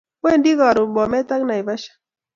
Wendi karun Bomet ak Naivasha